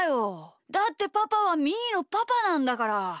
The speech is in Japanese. だってパパはみーのパパなんだから！